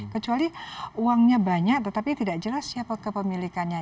kecuali uangnya banyak tetapi tidak jelas siapa kepemilikannya